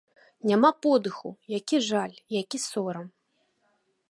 Няма подыху, які жаль, які сорам.